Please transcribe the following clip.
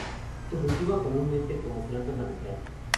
Se cultiva comúnmente como planta ornamental.